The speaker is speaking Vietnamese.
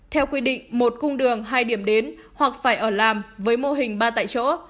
theo quy định một cung đường hai điểm đến hoặc phải ở làm với mô hình ba tại chỗ